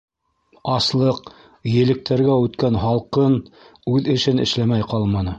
Аслыҡ, електәргә үткән һалҡын үҙ эшен эшләмәй ҡалманы.